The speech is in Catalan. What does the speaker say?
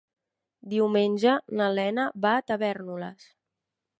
Diumenge na Lena va a Tavèrnoles.